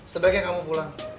sebaiknya kamu pulang